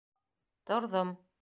Торҙом.